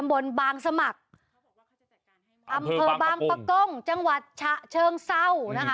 อำเภอบางปะก้งจังหวัดเชิงเศร้า